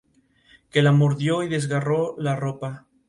Que la mordió y desgarró la ropa.